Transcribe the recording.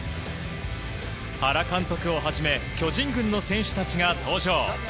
原監督をはじめ巨人軍の選手たちが登場。